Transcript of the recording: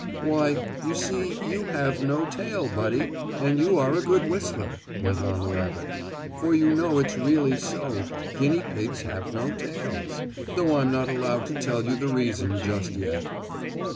"Why, you see you have no tail, Buddy, and you are a good whistler," went on the rabbit, for you know it's really so guinea pigs have no tails though I'm not allowed to tell you the reason just yet.